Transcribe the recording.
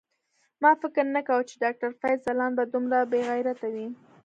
ما فکر نه کاوه چی ډاکټر فیض ځلاند به دومره بیغیرته وی